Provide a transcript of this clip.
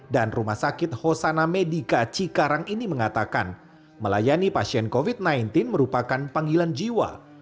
dan rumah sakit hosana medica cikarang ini mengatakan melayani pasien covid sembilan belas merupakan panggilan jiwa